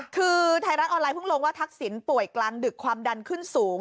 คือไทยรัฐออนไลนเพิ่งลงว่าทักษิณป่วยกลางดึกความดันขึ้นสูง